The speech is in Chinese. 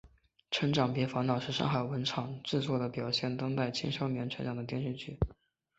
成长别烦恼是上海文广制作的表现当代青少年成长的电视剧。